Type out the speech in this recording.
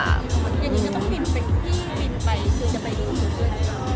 อย่างนี้ก็ต้องสังเกตุลิเทศ